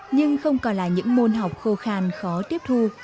nhưng không còn là những môn học khô khan khó tiếp thu